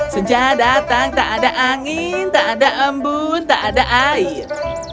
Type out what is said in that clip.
sejak datang tak ada angin tak ada embun tak ada air